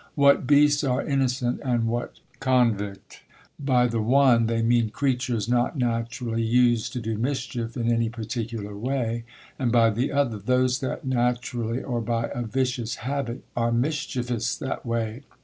What beasts are innocent and what convict. By the one they mean creatures not naturally used to do mischief in any particular way; and by the other, those that naturally, or by a vicious habit, are mischievous that way.